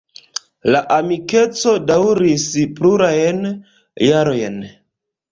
La amikeco daŭris plurajn jarojn.